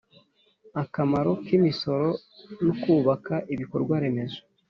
Akamaro kimisoro nukubaka ibikorwa remezo